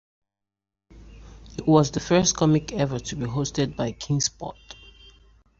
It was the first comic ever to be hosted by Keenspot.